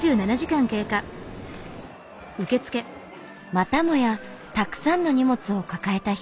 またもやたくさんの荷物を抱えた人。